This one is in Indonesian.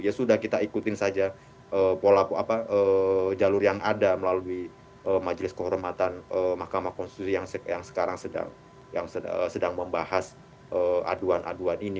ya sudah kita ikutin saja pola jalur yang ada melalui majelis kehormatan mahkamah konstitusi yang sekarang sedang membahas aduan aduan ini